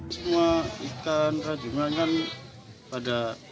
semua ikan rajungan kan pada